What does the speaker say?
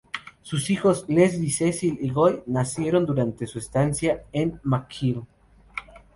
Sus hijos Leslie, Cecil y Guy nacieron durante su estancia en McGill.